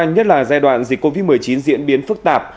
nhất là giai đoạn dịch covid một mươi chín diễn biến phức tạp